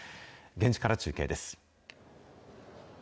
現地から中継です。